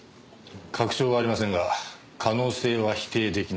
確証はありませんが可能性は否定出来ないかと。